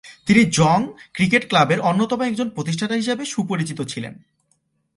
তিনি জং ক্রিকেট ক্লাবের অন্যতম একজন প্রতিষ্ঠাতা হিসেবে সুপরিচিত ছিলেন।